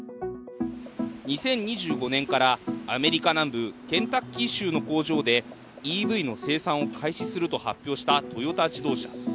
２０２５年からアメリカ南部ケンタッキー州の工場で、ＥＶの生産を開始すると発表したトヨタ自動車。